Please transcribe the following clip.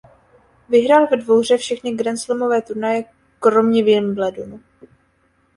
Vyhrál ve dvouhře všechny grandslamové turnaje kromě Wimbledonu.